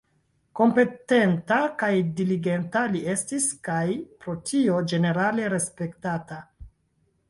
Kompetenta kaj diligenta li estis, kaj pro tio ĝenerale respektata.